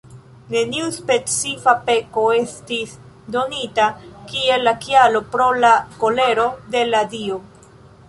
Neniu specifa peko estis donita kiel la kialo pro la kolero de la dio.